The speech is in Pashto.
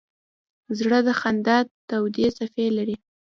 زړه د خندا تودې څپې لري.